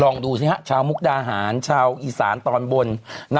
ดูสิฮะชาวมุกดาหารชาวอีสานตอนบน